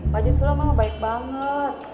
pak haji sulam emang baik banget